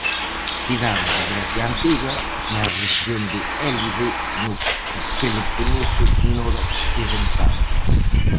Cidade da Grecia antiga, na rexión de Élide, no Peloponeso noroccidental.